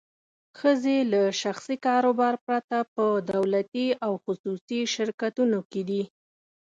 ښځې له شخصي کاروبار پرته په دولتي او خصوصي شرکتونو کې دي.